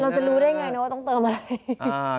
เราจะรู้ได้ไงนะว่าต้องเติมอะไร